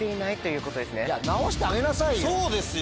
そうですよ。